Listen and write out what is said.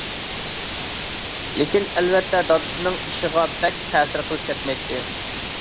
لېكىن ئەلۋەتتە دادىسىنىڭ ئىشىغا بەك تەسىر قېلىپ كەتمەيتتى.